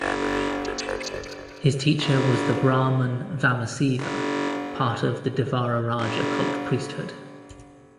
His teacher was the Brahman Vamasiva, part of the Devaraja cult priesthood.